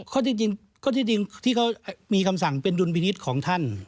ข้อเท็จจริงที่เขามีคำสั่งเป็นดุลบินิตของท่าน